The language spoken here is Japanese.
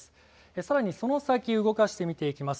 さらにその先動かして見ていきます。